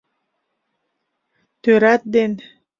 Тӧрат ден